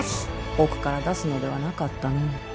奥から出すのではなかったの。